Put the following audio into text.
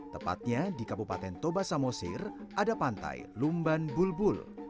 tepatnya di kabupaten toba samosir ada pantai lumban bulbul